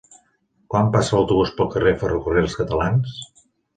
Quan passa l'autobús pel carrer Ferrocarrils Catalans?